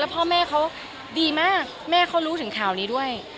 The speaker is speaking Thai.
พ่อแม่เขาดีมากแม่เขารู้ถึงข่าวนี้ด้วย